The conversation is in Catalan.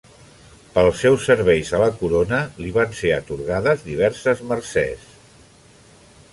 Pels seus serveis a la corona li van ser atorgades diverses mercès.